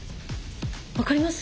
分かります？